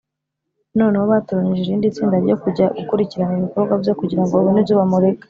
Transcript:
noneho batoranije irindi tsinda ryo kujya gukurikirana ibikorwa bye, kugira ngo babone ibyo bamurega